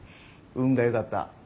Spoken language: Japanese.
運がよかった。